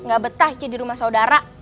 gak betah itu di rumah saudara